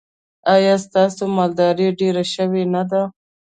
ایا ستاسو مالداري ډیره شوې نه ده؟